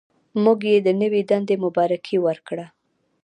موږ یې د نوې دندې مبارکي ورکړه.